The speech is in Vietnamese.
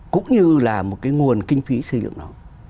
cũng như là một cái nguồn kinh phí xây dựng nó